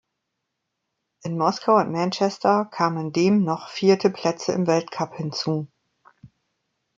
In Moskau und Manchester kamen dem noch vierte Plätze im Weltcup hinzu.